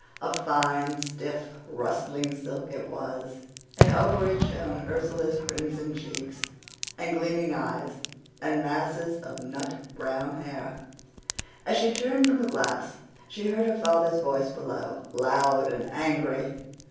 A fine, stiff, rustling silk it was, and over it shone Ursula's crimson cheeks and gleaming eyes, and masses of nut brown hair. "As she turned from the glass she heard her father's voice below, loud and angry.